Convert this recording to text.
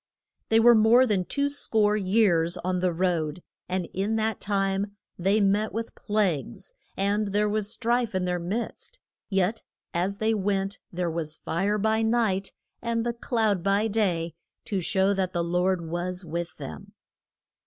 They were more than two score years on the road, and in that time they met with plagues, and there was strife in their midst, yet as they went there was the fire by night and the cloud by day to show that the Lord was with them.